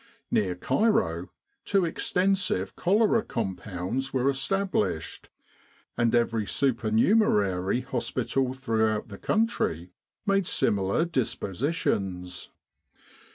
Near Cairo two extensive cholera compounds were established, and every supernumerary hospital throughout the country made similar dispositions.